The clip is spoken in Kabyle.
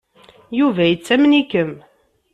Yuba yettamen-ikem.